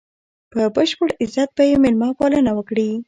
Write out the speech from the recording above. په بشپړ عزت به یې مېلمه پالنه وکړي.